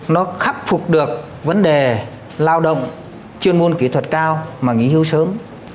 nó khắc phục được vấn đề lao động chuyên môn kỹ thuật cao mà nghỉ hưu sớm